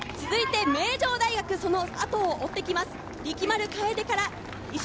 続いて名城大学、その後を追ってきます。